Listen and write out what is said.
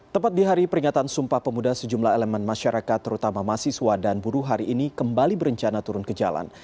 tepat di hari peringatan sumpah pemuda sejumlah elemen masyarakat terutama mahasiswa dan buruh hari ini kembali berencana turun ke jalan